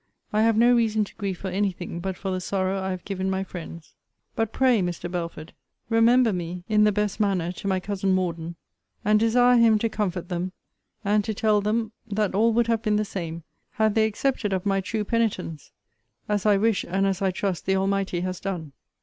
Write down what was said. I have no reason to grieve for any thing but for the sorrow I have given my friends. But pray, Mr. Belford, remember me in the best manner to my cousin Morden; and desire him to comfort them, and to tell them, that all would have been the same, had they accepted of my true penitence, as I wish and as I trust the Almighty has done.